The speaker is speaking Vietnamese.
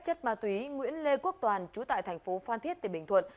chất ma túy nguyễn lê quốc toàn chú tại thành phố phan thiết tỉnh bình thuận